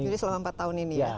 jadi selama empat tahun ini ya